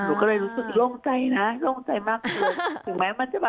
หนูก็เลยรู้สึกโล่งใจนะโล่งใจมากเลย